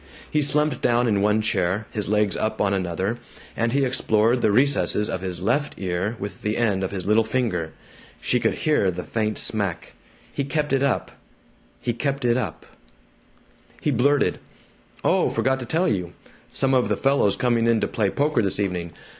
He slumped down in one chair, his legs up on another, and he explored the recesses of his left ear with the end of his little finger she could hear the faint smack he kept it up he kept it up He blurted, "Oh. Forgot tell you. Some of the fellows coming in to play poker this evening.